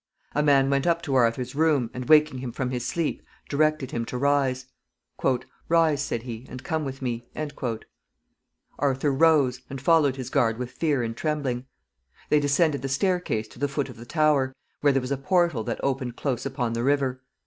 A man went up to Arthur's room, and, waking him from his sleep, directed him to rise. "Rise," said he, "and come with me." Arthur rose, and followed his guard with fear and trembling. They descended the staircase to the foot of the tower, where there was a portal that opened close upon the river.